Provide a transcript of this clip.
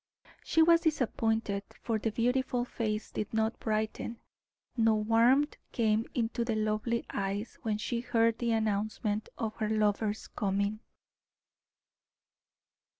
She was disappointed, for the beautiful face did not brighten, no warmth came into the lovely eyes, when she heard the announcement of her lover's coming.